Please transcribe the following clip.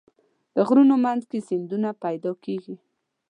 د غرونو منځ کې سیندونه پیدا کېږي.